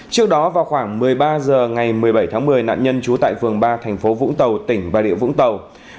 trước đó vào khoảng một mươi ba h ngày một mươi bảy tháng một mươi nạn nhân trú tại phường ba thành phố vũng tàu tỉnh bà rịa vũng tàu